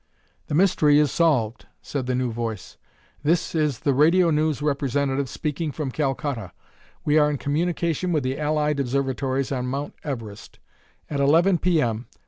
"The mystery is solved," said the new voice. "This is the Radio News representative speaking from Calcutta. We are in communication with the Allied Observatories on Mount Everest. At eleven P. M.